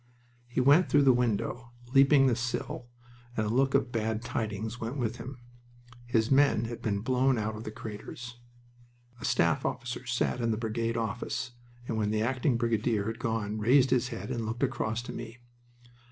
He went through the window, leaping the sill, and a look of bad tidings went with him. His men had been blown out of the craters. A staff officer sat in the brigade office, and when the acting brigadier had gone raised his head and looked across to me.